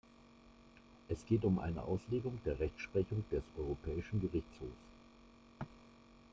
Es geht um eine Auslegung der Rechtsprechung des Europäischen Gerichtshofs.